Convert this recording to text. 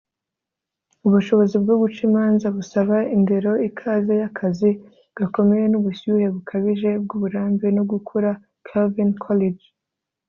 ubushobozi bwo guca imanza busaba indero ikaze y'akazi gakomeye n'ubushyuhe bukabije bw'uburambe no gukura. - calvin coolidge